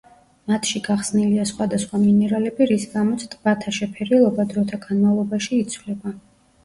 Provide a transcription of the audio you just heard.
მათში გახსნილია სხვადასხვა მინერალები, რის გამოც ტბათა შეფერილობა დროთა განმავლობაში იცვლება.